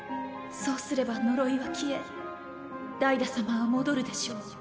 そうすれば呪いは消えダイダ様は戻るでしょう。